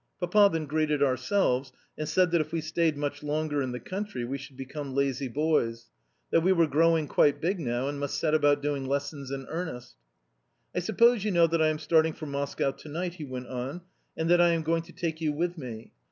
Papa then greeted ourselves, and said that if we stayed much longer in the country we should become lazy boys; that we were growing quite big now, and must set about doing lessons in earnest, "I suppose you know that I am starting for Moscow to night?" he went on, "and that I am going to take you with me?